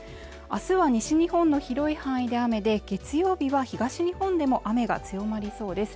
明日は西日本の広い範囲で雨で月曜日は東日本でも雨が強まりそうです